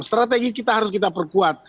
strategi kita harus kita perkuat